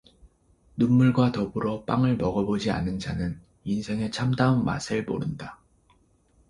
눈물과 더불어 빵을 먹어 보지 않은 자는 인생의 참다운 맛을 모른다.